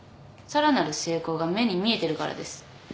さらなる成功が目に見えてるからです。